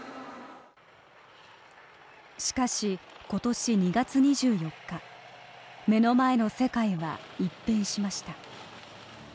しかし、今年２月２４日目の前の世界は一変しました。